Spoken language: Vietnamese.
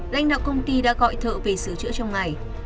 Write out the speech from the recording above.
lãnh đạo công ty đã gọi thợ về sửa chữa trong ngày